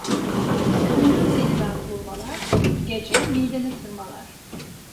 Gündüz yenilen hurmalar, gece mideni tırmalar.